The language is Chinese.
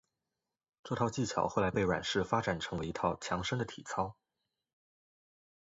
这套技巧后来被阮氏发展成为一套强身的体操。